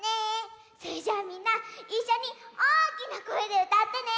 それじゃあみんないっしょにおおきなこえでうたってね。